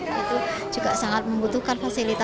itu juga sangat membutuhkan fasilitas